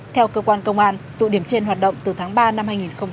theo cơ quan công an tụ điểm trên hoạt động từ tháng ba năm hai nghìn một mươi bảy